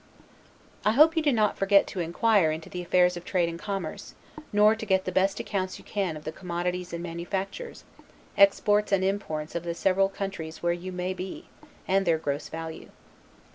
I hope you do not forget to inquire into the affairs of trade and commerce, nor to get the best accounts you can of the commodities and manufactures, exports and imports of the several countries where you may be, and their gross value.